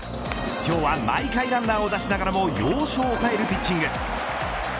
今日は、毎回ランナーを出しながらも要所を押さえるピッチング。